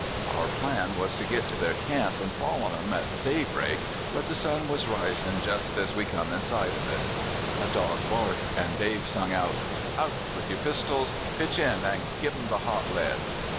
Our plan was to git to their camp an' fall on 'em at daybreak, but the sun was risin' just as we come 142 CALIFORNIA SKETCHES. in sight of it. A dog barked, an' Dave sung out: ' Out with your pistols I pitch in, an' give 'em the hot lead!'